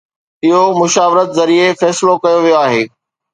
اهو مشاورت ذريعي فيصلو ڪيو ويو آهي.